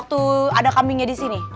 ke dokter di idang